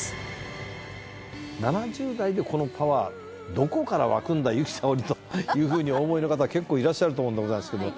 どこからわくんだ由紀さおりというふうにお思いの方結構いらっしゃると思うんでございますけど。